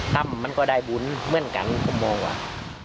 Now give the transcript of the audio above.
มันก็ได้บุญเหมือนกันผมมองว่า